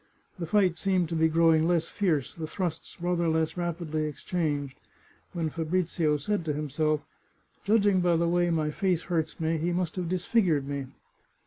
The fight seemed to be growing less fierce, the thrusts rather less rapidly exchanged, when Fabrizio said to him self, " Judging by the way my face hurts me he must have disfigured me."